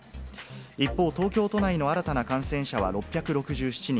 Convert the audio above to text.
一方、東京都内の新たな感染者は６６７人。